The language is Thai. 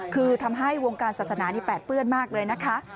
คือทำให้วงการศาสนานี้แปดเปื้อนมากเลยนะคะ